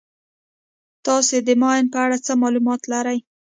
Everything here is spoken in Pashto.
تاسې د ماین په اړه څه معلومات لرئ.